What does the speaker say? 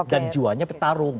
dan jiwanya petarung